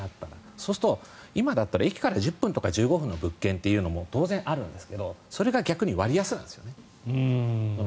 そうすると、今だったら駅から１０分とか１５分の物件も当然あるんですけどそれが逆に割安なんですよね。